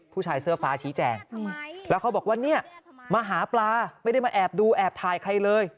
ผู้ชายเสื้อฟ้าชี้แจงแล้วเขาบอกว่าเนี่ยมาหาปลาไม่ได้มาแอบดูแอบถ่ายใครเลย